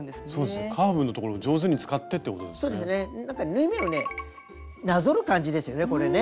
縫い目をねなぞる感じですよねこれね。